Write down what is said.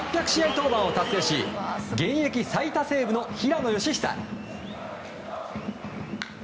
登板を達成し現役最多セーブの平野佳寿。